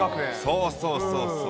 そうそうそうそう。